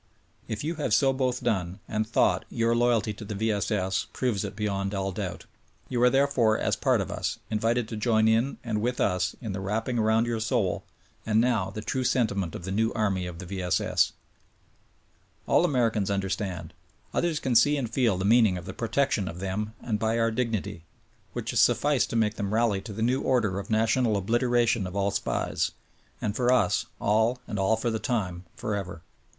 If you have so both done, and thought, your loyalty to the V. S. S. proves it beyond all doubt. You are therefore, as part of us, invited to join in and with us, in the wrapping around your soul, and now — the true sentiment of the new army the V. S. S. ! All Americans understand ; others can see and feel the meaning of the pro tection of them and by our dignity; whidi is suffice to make them rally to the new order of national obliteration of all SPIES, and for us all and for all the time — forever.